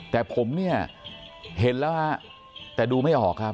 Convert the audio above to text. แต่ผมเนี่ยเห็นแล้วฮะแต่ดูไม่ออกครับ